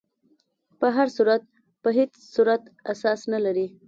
په هر صورت په هیڅ صورت اساس نه لري.